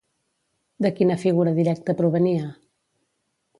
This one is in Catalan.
De quina figura directa provenia?